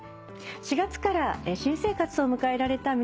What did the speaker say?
４月から新生活を迎えられた皆さん。